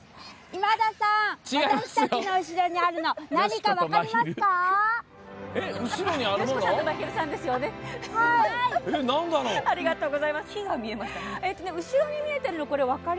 今田さん、私たちの後ろにあるの何か分かりますか？